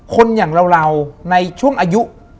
คนอย่างเราในช่วงอายุ